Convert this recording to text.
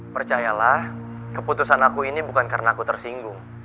percayalah keputusan aku ini bukan karena aku tersinggung